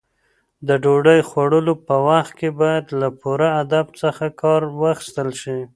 د ډوډۍ خوړلو په وخت کې باید له پوره ادب څخه کار واخیستل شي.